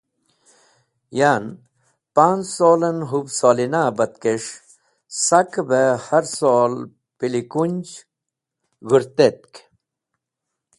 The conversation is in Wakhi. Yan panz solẽn hũb solina batkẽs̃h sakẽ be harsol pilikunj g̃hũrtek.